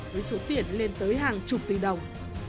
với số tiền lên tới hàng chục tỷ đồng